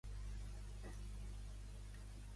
Quina funció exerceix Rafael?